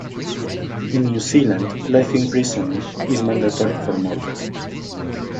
In New Zealand, life imprisonment is mandatory for murder.